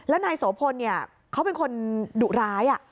แล้วนายโสภนเนี้ยเขาเป็นคนดุร้ายอ่ะ